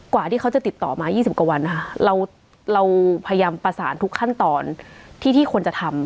กว่าที่เขาจะติดต่อมา๒๐กว่าวันนะคะเราพยายามประสานทุกขั้นตอนที่ควรจะทำ